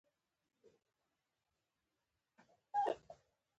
د پلان جوړول او پرې توافق کول اړین دي.